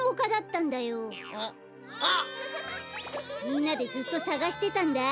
みんなでずっとさがしてたんだ。